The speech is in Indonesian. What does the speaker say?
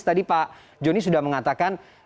tadi pak joni sudah mengatakan